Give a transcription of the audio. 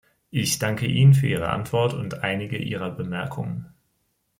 Ich danke Ihnen für Ihre Antwort und einige Ihrer Bemerkungen.